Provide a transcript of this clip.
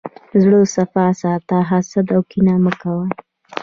زړه صفا ساته، حسد او کینه مه کوه.